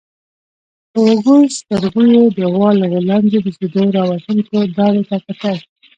په وږو سترګويې د غوا له غولانځې د شيدو راوتونکو دارو ته کتل.